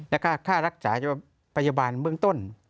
แล้วก็ค่ารักษาประยบาลเบื้องต้น